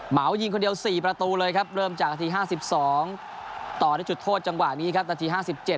เหมายิงคนเดียว๔ประตูเลยครับเริ่มจากนาที๕๒ต่อด้วยจุดโทษจังหวะนี้ครับนาที๕๗